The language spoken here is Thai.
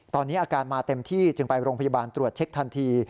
ตอนนี้อาการมาเต็มที่จึงไปโรงพยาบาลตรวจเช็คทันที